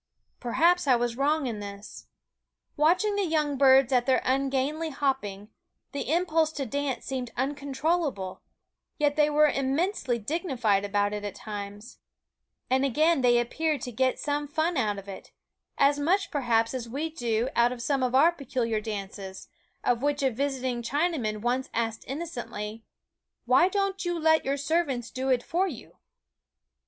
Perhaps I was wrong in this. Watching the young birds at their ungainly hopping, the impulse to dance seemed uncontrollable ; yet they were immensely dignified about it at times; and again they appeared to get some fun out of it as much, perhaps, as THE WOODS * we do out of some of our peculiar dances, of 199 which a visiting Chinaman once asked inno ^,, cently :" Why don't you let your servants do *^Keen Eyed it for you